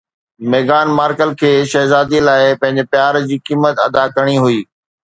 ميغان MARKAL کي شهزادي لاءِ پنهنجي پيار جي قيمت ادا ڪرڻي هئي